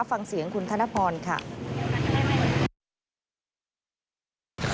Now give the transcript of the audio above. ฟังเสียงคุณธนพรค่ะ